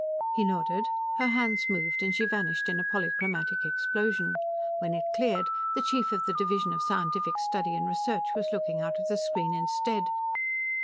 He nodded. Her hands moved, and she vanished in a polychromatic explosion; when it cleared, the chief of the Division of Scientific Study and Research was looking out of the screen instead.